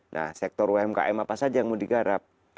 nah sektor umkm apa saja yang mau digarap